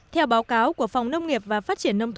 theo báo cáo của phòng nông nghiệp và phát triển nông thôn